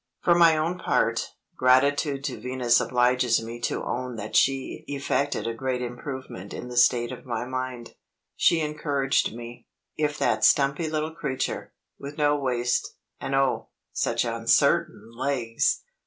For my own part, gratitude to Venus obliges me to own that she effected a great improvement in the state of my mind. She encouraged me. If that stumpy little creature with no waist, and oh, such uncertain legs!